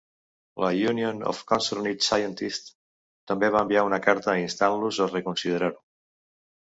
La Union of Concerned Scientists també va enviar una carta instant-los a reconsiderar-ho.